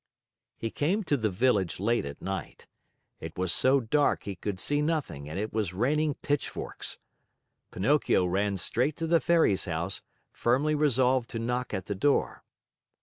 He came to the village late at night. It was so dark he could see nothing and it was raining pitchforks. Pinocchio went straight to the Fairy's house, firmly resolved to knock at the door.